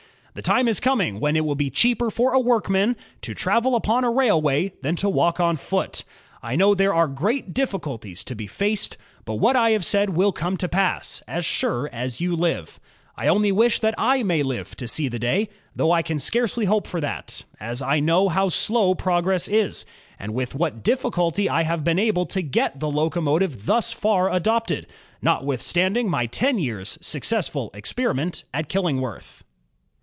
The time is coming when it will be cheaper for a workman to travel upon a railway than to walk on foot. I know there are great ... diffi culties to be faced; but what I have said will come to pass, as sure as you live. I only wish I may live to see the day, though I can scarcely hope for that, as I know how slow progress is, and with what difl&culty I have been able to get the locomotive thus far adopted, notwithstanding my ten years' successful experiment at Killingworth."